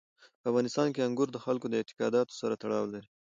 په افغانستان کې انګور د خلکو د اعتقاداتو سره تړاو لري.